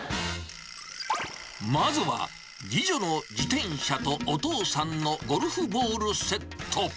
まずは、次女の自転車とお父さんのゴルフボールセット。